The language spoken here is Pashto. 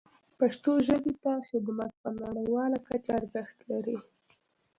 پښتو ژبې ته خدمت په نړیواله کچه ارزښت لري.